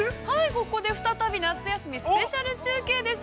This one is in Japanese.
◆ここで再び夏休みスペシャル中継です。